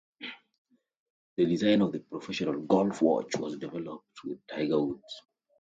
The design of the Professional Golf Watch was developed with Tiger Woods.